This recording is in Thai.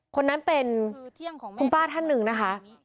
คนนั้นเป็นคุณป้าท่านหนึ่งนะคะ